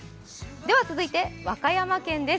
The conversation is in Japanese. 続いて和歌山県です。